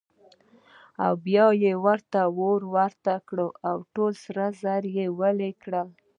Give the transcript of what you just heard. بیا یې ورته اور ورته کړ او ټول سره زر یې ویلې کړل.